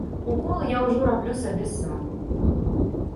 Уколы я ўжо раблю сабе сам.